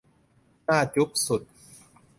น่าจุ๊บสุด